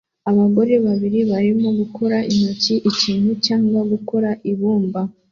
Abagore babiri barimo gukora intoki ikintu cyangwa gukora ibumba